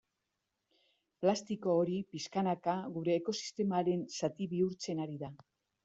Plastiko hori pixkanaka gure ekosistemaren zati bihurtzen ari da.